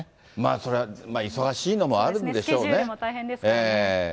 それは忙しいのもあるんでしょうね。